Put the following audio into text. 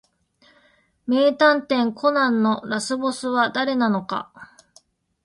名探偵コナンのラスボスは誰なのか